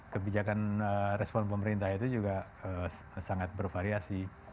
kebijakan respon pemerintah itu juga sangat bervariasi